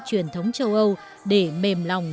truyền thống châu âu để mềm lòng